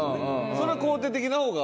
それは肯定的な方が。